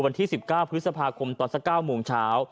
วันที่๑๙พฤษภาคมตอนสัก๙โมงเช้า